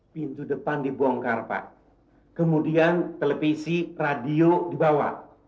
pintu depan dibongkar pak kemudian televisi radio dibawa